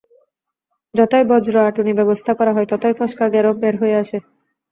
যতই বজ্র আঁটুনি ব্যবস্থা করা হয়, ততই ফসকা গেরো বের হয়ে আসে।